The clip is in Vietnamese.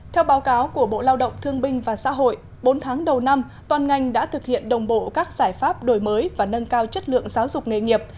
theo báo cáo của bộ lao động thương binh và xã hội bốn tháng đầu năm toàn ngành đã thực hiện đồng bộ các giải pháp đổi mới và nâng cao chất lượng giáo dục nghề nghiệp